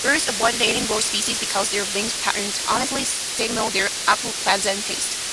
Birds avoid eating both species because their wing patterns honestly signal their unpleasant taste.